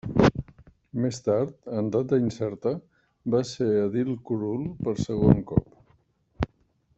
Més tard, en data incerta, va ser edil curul per segon cop.